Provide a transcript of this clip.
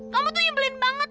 kamu tuh nyebelin banget